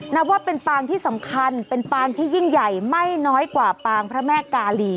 นับว่าเป็นปางที่สำคัญเป็นปางที่ยิ่งใหญ่ไม่น้อยกว่าปางพระแม่กาลี